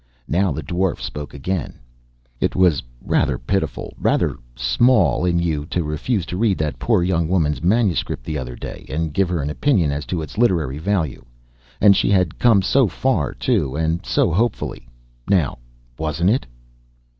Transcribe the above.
Now the dwarf spoke again: "It was rather pitiful, rather small, in you to refuse to read that poor young woman's manuscript the other day, and give her an opinion as to its literary value; and she had come so far, too, and so hopefully. Now wasn't it?"